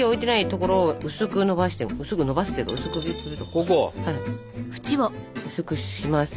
ここ？薄くします。